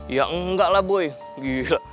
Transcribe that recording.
ya enggak lah boy gitu